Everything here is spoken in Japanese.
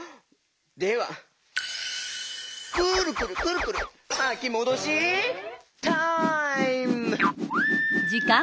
ではくるくるくるくるまきもどしタイム！